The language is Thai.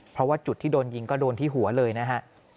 เพราะว่าจุดที่โดนยิงก็โดนที่หัวเลยนะฮะ